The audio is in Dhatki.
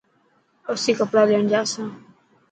اسين ڪپڙا ليڻ جا سان.